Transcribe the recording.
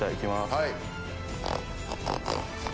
はい。